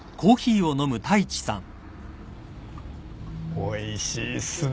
おいしいっすね。